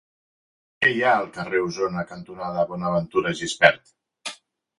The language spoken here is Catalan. Què hi ha al carrer Osona cantonada Bonaventura Gispert?